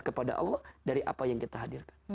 kepada allah dari apa yang kita hadirkan